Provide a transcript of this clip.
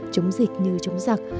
chống dịch như chống giặc